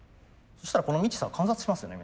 そしたらこのミキサー観察しますよね